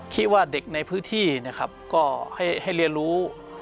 คิดว่าเด็กในพื้นที่นะครับก็ให้เรียนรู้